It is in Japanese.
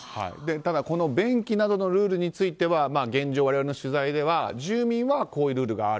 便器などのルールについては現状、我々の取材では住人はこういうルールがある。